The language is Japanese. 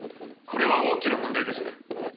「これは大きな問題です」